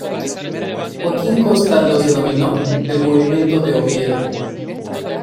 Joaquín Costa los denominó "El Movimiento de Oviedo".